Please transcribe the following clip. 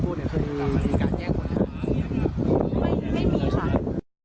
ไม่มีค่ะ